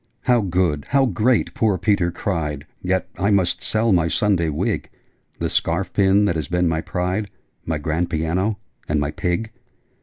'How good! How great!' poor Peter cried. 'Yet I must sell my Sunday wig The scarf pin that has been my pride My grand piano and my pig!'